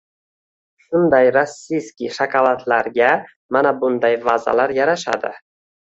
Shunday rossiykiy shokoladlarga mana bunday vazalar yarashadi